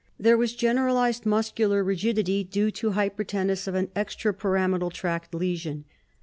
There was generalized muscular rigidity, due to hypertenus of an extra pyramidal tract lesion.